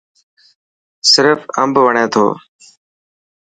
سرف امب وڻي ٿو.